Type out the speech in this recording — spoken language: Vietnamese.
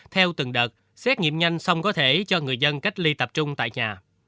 theo từng đợt xét nghiệm nhanh xong có thể cho người dân cách ly tập trung tại nhà